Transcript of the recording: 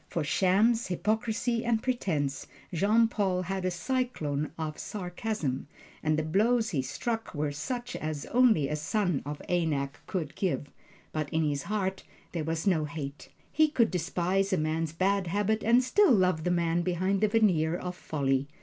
For shams, hypocrisy and pretense Jean Paul had a cyclone of sarcasm, and the blows he struck were such as only a son of Anak could give; but in his heart there was no hate. He could despise a man's bad habits and still love the man behind the veneer of folly.